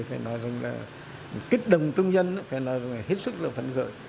phải nói rằng là kích đồng chung dân phải nói rằng là hết sức là phân khởi